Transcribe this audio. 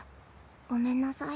ごめんなさい。